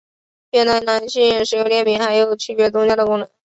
越南男性使用垫名还有区别宗族的功能。